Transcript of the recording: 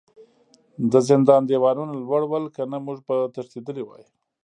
د زندان دیوالونه لوړ ول کنه موږ به تښتیدلي وای